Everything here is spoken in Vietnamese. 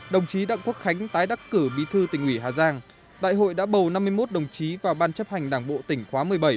đồng chí đặng quốc khánh tái đắc cử bí thư tỉnh ủy hà giang đại hội đã bầu năm mươi một đồng chí vào ban chấp hành đảng bộ tỉnh khóa một mươi bảy